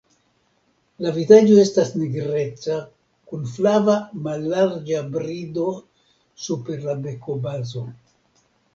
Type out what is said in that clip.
La vizaĝo estas nigreca kun flava mallarĝa brido super la bekobazo.